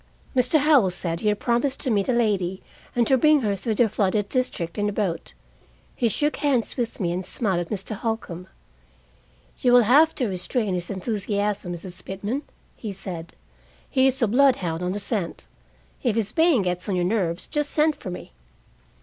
Mr. Howell said he had promised to meet a lady, and to bring her through the flooded district in a boat. He shook hands with me, and smiled at Mr. Holcombe. "You will have to restrain his enthusiasm, Mrs. Pitman," he said. "He is a bloodhound on the scent. If his baying gets on your nerves, just send for me."